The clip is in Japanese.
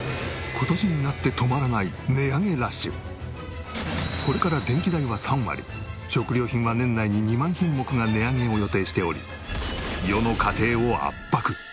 今年になってこれから電気代は３割食料品は年内に２万品目が値上げを予定しており世の家庭を圧迫。